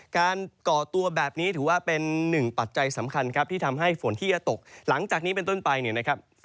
ก่อตัวแบบนี้ถือว่าเป็นหนึ่งปัจจัยสำคัญครับที่ทำให้ฝนที่จะตกหลังจากนี้เป็นต้นไปเนี่ยนะครับ